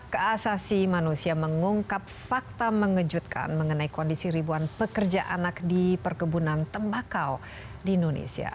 keasasi manusia mengungkap fakta mengejutkan mengenai kondisi ribuan pekerja anak di perkebunan tembakau di indonesia